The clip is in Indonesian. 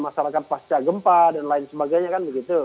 masyarakat pasca gempa dan lain sebagainya